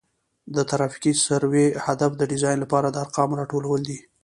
د ترافیکي سروې هدف د ډیزاین لپاره د ارقامو راټولول دي